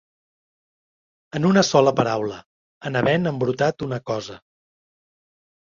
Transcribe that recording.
En una sola paraula, en havent embrutat una cosa.